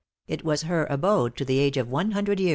It was her abode to the age of one hundred years.